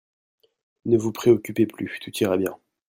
Ne vous préoccupez plus. Tout ira bien.